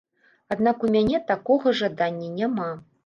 Аднак у мяне такога жадання няма.